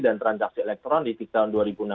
dan transaksi elektron di tahun dua ribu enam belas